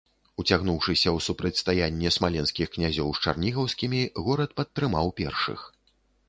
Уцягнуўшыся ў супрацьстаянне смаленскіх князёў з чарнігаўскімі, горад падтрымаў першых.